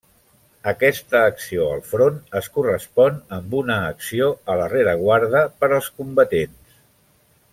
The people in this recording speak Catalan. Aquesta acció al front es correspon amb una acció a la rereguarda per als combatents.